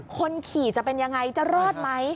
คนขี่จะเป็นยังไงจะรอดไหม